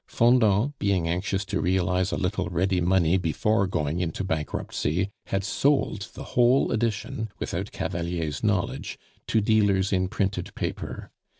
Fendant, being anxious to realize a little ready money before going into bankruptcy, had sold the whole edition (without Cavalier's knowledge) to dealers in printed paper.